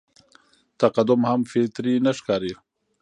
تقدم هم فطري نه ښکاري.